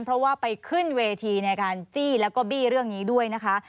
เพราะว่าไปขึ้นเวทีในการจี้แล้วก็บี้เรื่องนี้ด้วยนะคะ